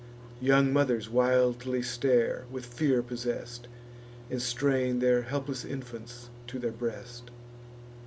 Young mothers wildly stare, with fear possess'd, And strain their helpless infants to their breast.